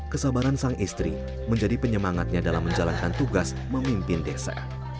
kesabaran sang istri menjadi penyemangatnya dalam menjalankan tugas memimpin desa